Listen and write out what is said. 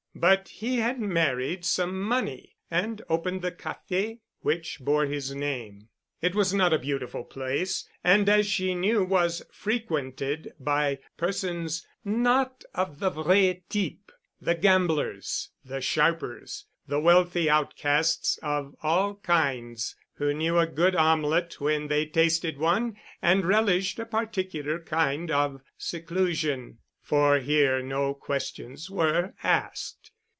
But he had married some money and opened the café which bore his name. It was not a beautiful place, and as she knew was frequented by persons not of the vrai type, the gamblers, the sharpers, the wealthy outcasts of all kinds, who knew a good omelette when they tasted one and relished a particular kind of seclusion. For here no questions were asked.